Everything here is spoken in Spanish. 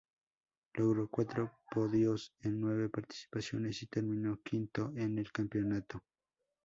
Logró cuatro podios en nueve participaciones, y terminó quinto en el campeonato.